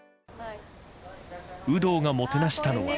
有働がもてなしたのは。